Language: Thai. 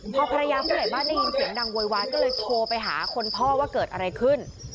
พอภรรยาผู้ใหญ่บ้านได้ยินเสียงดังโวยวายก็เลยโทรไปหาคนพ่อว่าเกิดอะไรขึ้น